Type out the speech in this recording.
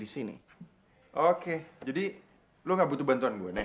siapa yang cemburu juga